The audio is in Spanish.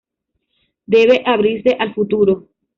Debe abrirse al futuro.